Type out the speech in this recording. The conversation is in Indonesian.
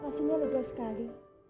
pastinya lega sekali